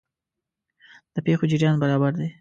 د پېښو جریان برابر دی.